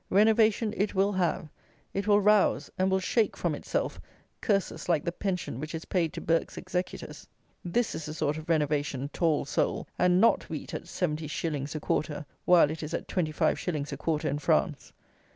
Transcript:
Renovation it will have: it will rouse and will shake from itself curses like the pension which is paid to Burke's executors. This is the sort of renovation, "tall soul;" and not wheat at 70_s._ a quarter, while it is at twenty five shillings a quarter in France.